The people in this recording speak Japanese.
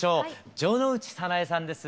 城之内早苗さんです。